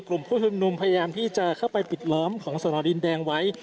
กลุ่มผู้ชุมนุมพยายามที่จะเข้าไปปิดล้อมของสนดินแดงไว้